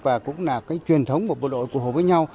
và cũng là cái truyền thống của bộ đội cụ hồ với nhau